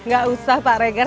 gak usah pak regar